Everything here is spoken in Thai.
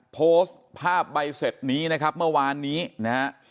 โพสต์ภาพใบเสร็จนี้นะครับเมื่อวานนี้นะฮะ